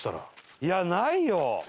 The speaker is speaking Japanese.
いやないよ。